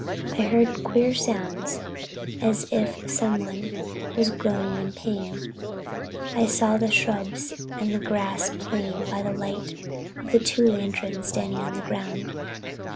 I heard queer sounds as if someone was groaning in pain, and saw the shrubs and grass plain by the light of two lanterns standing on the ground.